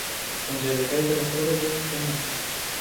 ښوونځی دي پای ته رسولی دی که نه ؟